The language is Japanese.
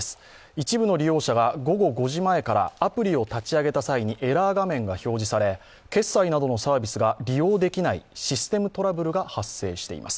一部の利用者が午後５時前からアプリを立ち上げた際にエラー画面が表示され、決済などのサービスが利用できないシステムトラブルが発生しています。